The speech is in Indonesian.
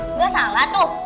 enggak salah tuh